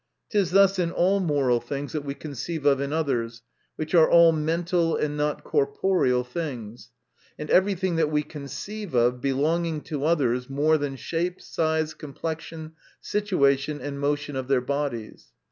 It is thus in all moral things that we conceive of in others, which are all men tal, and not corporeal things ; and every thing that we conceive of belonging to others, more than shape, size, complexion, situation, and motion of their THE NATURE OF VIRTUE. 287 bodies.